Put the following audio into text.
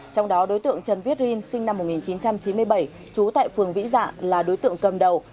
trong đó đối tượng trần viết rin sinh năm một nghìn chín trăm chín mươi bảy trú tại phường vĩ dạ là đối tượng cầm đầu